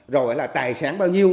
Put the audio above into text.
rồi là tài sản bao nhiêu